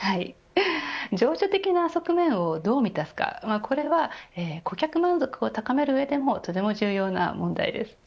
情緒的な側面をどう満たすかこれは顧客満足を高める上でもとても重要な問題です。